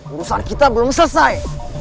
urusan kita belum selesai